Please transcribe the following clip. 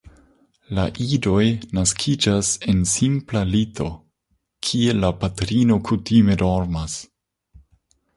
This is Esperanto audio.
La idoj naskiĝas en simpla lito, kie la patrino kutime dormas.